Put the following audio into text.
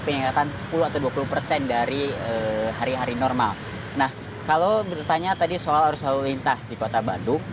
peningkatan sepuluh atau dua puluh persen dari hari hari normal nah kalau bertanya tadi soal arus lalu lintas di kota bandung